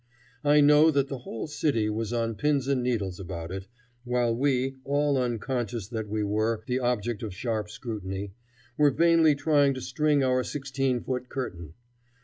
I know that the whole city was on pins and needles about it, while we, all unconscious that we were the object of sharp scrutiny, were vainly trying to string our sixteen foot curtain.